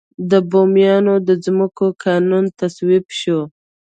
د بوميانو د ځمکو قانون تصویب شو.